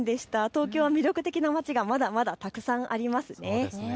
東京、魅力的な街がまだまだたくさんありますね。